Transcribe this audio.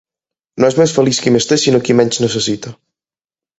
No és més feliç qui més té, sinó qui menys necessita.